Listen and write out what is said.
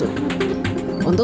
untuk penjualan tiket palsu